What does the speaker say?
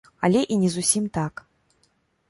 Але і не зусім так.